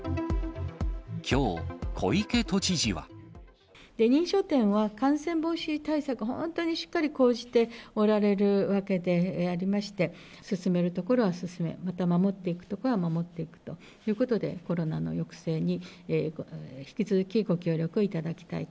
きょう、認証店は、感染防止対策、本当にしっかり講じておられるわけでありまして、進めるところは進め、また守っていくところは守っていくということで、コロナの抑制に引き続きご協力いただきたい。